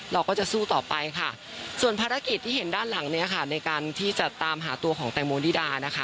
เราก็จะสู้ต่อไปค่ะส่วนภารกิจที่เห็นด้านหลังเนี่ยค่ะในการที่จะตามหาตัวของแตงโมนิดานะคะ